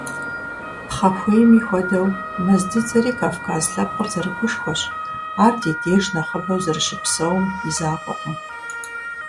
Пхъэхуейми хуэдэу, мэз дзыдзэри Кавказ лъэпкъыр зэрыгушхуэщ, ар ди деж нэхъыбэу зэрыщыпсэум и закъуэкъым.